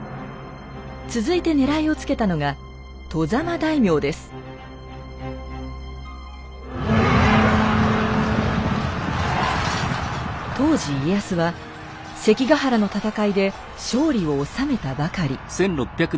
続いてねらいをつけたのが当時家康は関ヶ原の戦いで勝利をおさめたばかり。